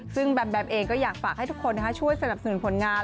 ซึ่งแบมแบมเองก็อยากฝากให้ทุกคนช่วยสนับสนุนผลงาน